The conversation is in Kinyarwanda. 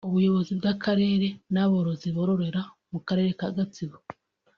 Ubuyobozi bw’Akarere n’aborozi bororera mu karere ka Gatsibo